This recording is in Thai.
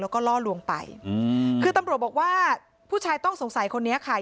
แล้วก็ล่อลวงไปอืมคือตำรวจบอกว่าผู้ชายต้องสงสัยคนนี้ค่ะ